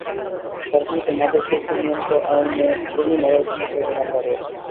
তাঁর বিরুদ্ধে মাদকদ্রব্য নিয়ন্ত্রণ আইনে ফেনী মডেল থানায় ছয়টি মামলা রয়েছে।